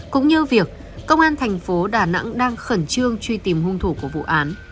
cũng như việc công an thành phố đà nẵng đang khẩn trương truy tìm hung thủ của vụ án